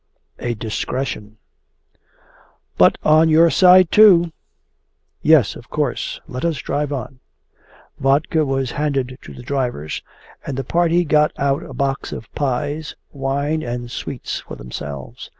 'A DISCRETION!' 'But on your side too!' 'Yes, of course. Let us drive on.' Vodka was handed to the drivers, and the party got out a box of pies, wine, and sweets for themselves.